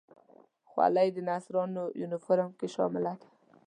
خولۍ د نرسانو یونیفورم کې شامله ده.